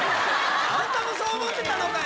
あんたもそう思ってたのかい！